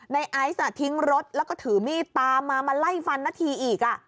ไอซ์ทิ้งรถแล้วก็ถือมีดตามมามาไล่ฟันนาธีอีก